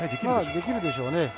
できるでしょうね。